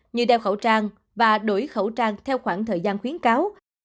như đeo khẩu trang và đổi khẩu trang theo khoảng thời gian khuyến cáo